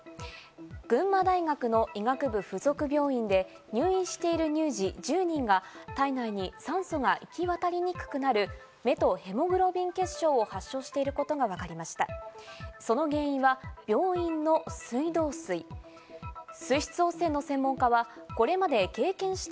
群馬大学の医学部附属病院で入院している乳児１０人が体内に酸素が行き渡りにくくなるメトヘモグロビン血症を発症していることが分かりました。